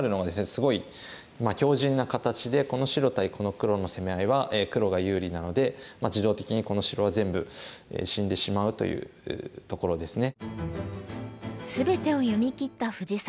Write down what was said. すごい強じんな形でこの白対この黒の攻め合いは黒が有利なので自動的にこの白は全部死んでしまうというところですね。